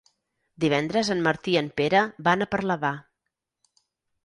Divendres en Martí i en Pere van a Parlavà.